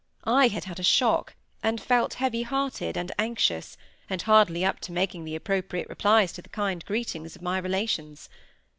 I had had a shock, and felt heavy hearted and anxious, and hardly up to making the appropriate replies to the kind greetings of my relations.